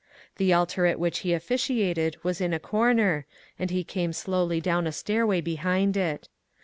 The altar at which he officiated was in a comer, and he came slowly down a stairway behind it.